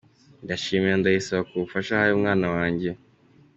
Ndashimira Ndayisaba k’ubufasha ahaye umwana wanjye.